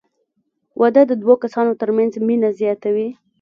• واده د دوه کسانو تر منځ مینه زیاتوي.